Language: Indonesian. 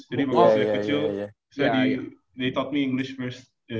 jadi waktu saya kecil they taught me english first